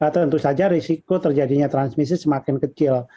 tentu saja risiko terjadinya transmisi semakin kecil